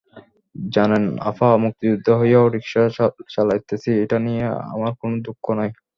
জানেন আফা, মুক্তিযোদ্ধা হইয়াও রিকশা চালাইতাছি এটা নিয়া আমার কোনো দুঃখ নাই।